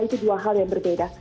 itu dua hal yang berbeda